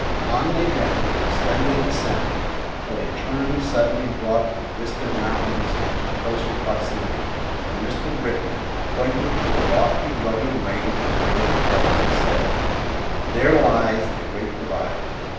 On they went, steadily ascending, till a turn suddenly brought the distant mountains into closer proximity, and Mr. Britton, pointing to a lofty, rugged range on Darrell's right, said, "There lies the Great Divide."